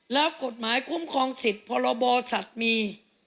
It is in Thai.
แล้วกฎหมายคุ้มครองสิทธิ์พรบสัตว์มี